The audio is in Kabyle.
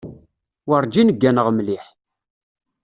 Werǧin gganeɣ mliḥ.